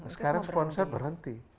sekarang sponsor berhenti